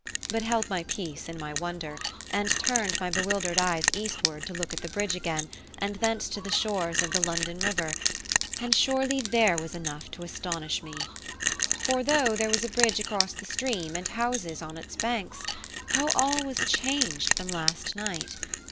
but held my peace in my wonder, and turned my bewildered eyes eastward to look at the bridge again, and thence to the shores of the London river; and surely there was enough to astonish me. For though there was a bridge across the stream and houses on its banks, how all was changed from last night!